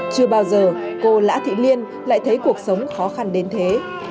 chưa bao giờ cô lã thị liên lại thấy cuộc sống khó khăn đến thế